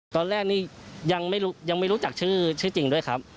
ตอนแรกนี่ยังไม่รู้จักชื่อจริงด้วยครับ